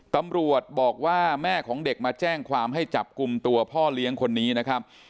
ตำรวจบอกว่าแม่ของเด็กมาแจ้งความให้จับกลุ่มตัวพ่อเลี้ยงคนนี้นะครับ